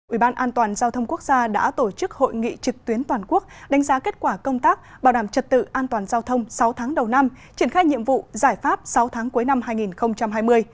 ủy ban an toàn giao thông quốc gia đã tổ chức hội nghị trực tuyến toàn quốc đánh giá kết quả công tác bảo đảm trật tự an toàn giao thông sáu tháng đầu năm triển khai nhiệm vụ giải pháp sáu tháng cuối năm hai nghìn hai mươi